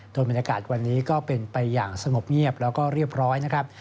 โดยบรรยากาศวันนี้ก็เป็นไปอย่างสงบเงียบแล้วก็เรียบร้อยนะครับ